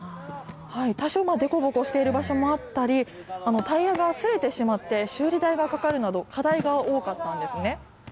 多少、凸凹している場所もあったり、タイヤがすれてしまって、修理代がかかるなど、課題が多かったんですね。